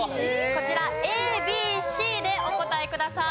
こちらＡＢＣでお答えください。